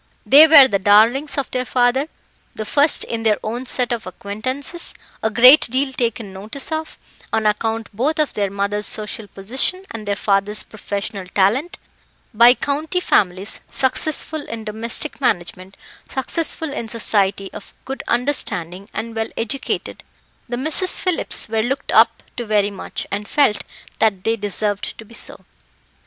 They were the darlings of their father, the first in their own set of acquaintances, a great deal taken notice of, on account both of their mother's social position and their father's professional talent, by county families; successful in domestic management, successful in society, of good understanding, and well educated, the Misses Phillips were looked up to very much, and felt that they deserved to be so.